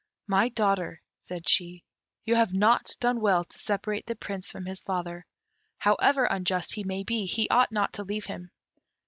"My daughter," said she, "you have not done well to separate the Prince from his father; however unjust he may be, he ought not to leave him."